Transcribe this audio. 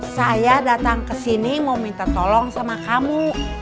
saya datang kesini mau minta tolong sama kamu